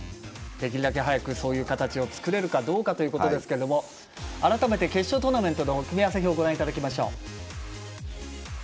できるだけ早くそういう形を作れるかどうかですが、改めて決勝トーナメントの組み合わせ表ご覧いただきます。